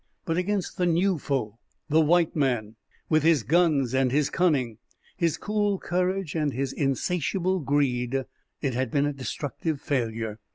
But against the new foe the white man, with his guns and his cunning, his cool courage and his insatiable greed it had been a destructive failure.